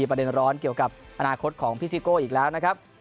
ประเด็นร้อนเกี่ยวกับอนาคตของพี่ซิโก้อีกแล้วนะครับ